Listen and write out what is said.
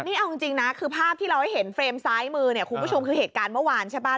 นี่เอาจริงนะคือภาพที่เราให้เห็นเฟรมซ้ายมือเนี่ยคุณผู้ชมคือเหตุการณ์เมื่อวานใช่ป่ะ